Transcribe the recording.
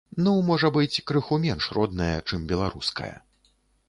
Ну, можа быць, крыху менш родная, чым беларуская.